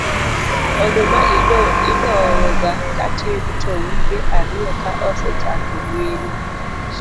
oduma idoyo ga katin to wige ariyo ka osechako mienyo